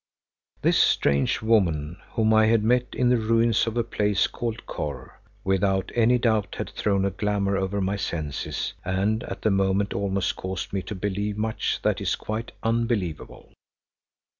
This strange woman, whom I had met in the ruins of a place called Kôr, without any doubt had thrown a glamour over my senses and at the moment almost caused me to believe much that is quite unbelievable.